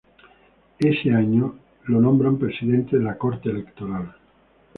Ese año es nombrado presidente de la Corte Electoral.